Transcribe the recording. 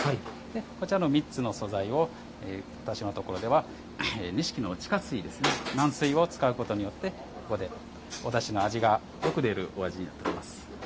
こちらの３つの素材を私のところでは錦の地下水軟水を使うことによっておだしの味がよく出るお味になっております。